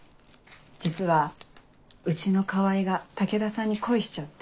実はうちの川合が武田さんに恋しちゃって。